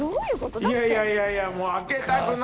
いやいやいやもう。